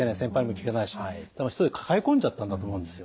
一人で抱え込んじゃったんだと思うんですよ。